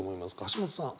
橋本さん。